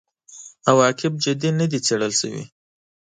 عواقب جدي نه دي څېړل شوي.